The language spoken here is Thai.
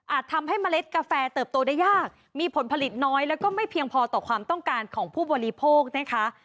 ทำให้เมล็ดกาแฟเติบโตได้ยากมีผลผลิตน้อยแล้วก็ไม่เพียงพอต่อความต้องการของผู้บริโภคนะคะ